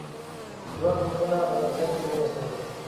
دوه ګروپونه په نظر کې ونیسئ.